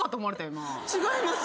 違います。